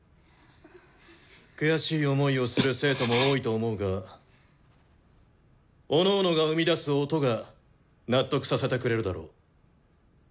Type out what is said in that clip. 悔しい思いをする生徒も多いと思うがおのおのが生み出す「音」が納得させてくれるだろう。